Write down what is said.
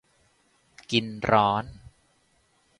กินร้อน